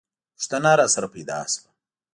پوښتنه راسره پیدا شوه.